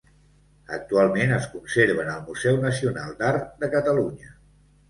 Actualment es conserva en el Museu Nacional d'Art de Catalunya.